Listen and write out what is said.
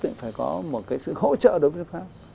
thì nước phát phải có một cái sự hỗ trợ đối với nước phát